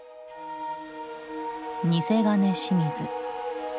「偽金清水」。